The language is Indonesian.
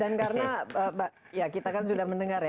dan karena ya kita kan sudah mendengar ya